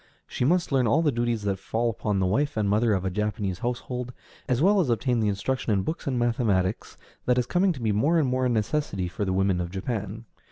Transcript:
She must learn all the duties that fall upon the wife and mother of a Japanese household, as well as obtain the instruction in books and mathematics that is coming to be more and more a necessity for the women of Japan.